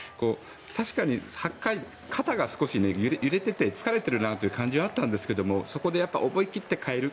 確かに、８回肩が少し揺れてて疲れているなという感じがあったんですけどそこで思い切って代える。